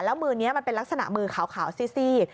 แล้วมือนี้มันเป็นลักษณะมือขาวซี่